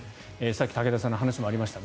さっき武田さんの話にもありました